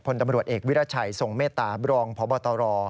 พลตำรวจเอกวิรัชัยทรงเมตตาบรองพบตร